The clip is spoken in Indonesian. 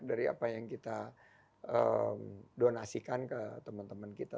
dari apa yang kita donasikan ke teman teman kita